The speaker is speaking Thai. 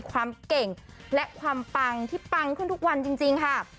ความเก่งและความปังที่ปังขึ้นทุกวันจริงค่ะ